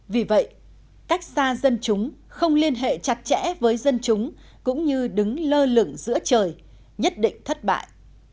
vì vậy cách xa dân chúng không liên hệ chặt chẽ với dân chúng cũng như đứng lơ lửng giữa trời nhất định thất bại